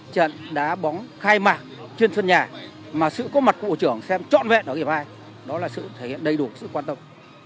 trận đá bóng khai mạc trên sân nhà mà sự có mặt của bộ trưởng xem trọn vẹn ở cái vai đó là sự thể hiện đầy đủ sự quan tâm